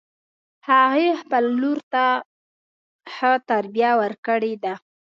هغې خپل لور ته ښه تربیه ورکړې ده